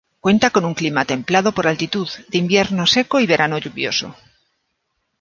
Cuenta con un clima templado por altitud, de invierno seco y verano lluvioso.